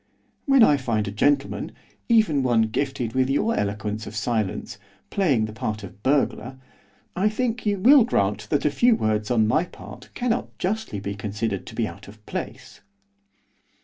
When I find a gentleman, even one gifted with your eloquence of silence, playing the part of burglar, I think you will grant that a few words on my part cannot justly be considered to be out of place.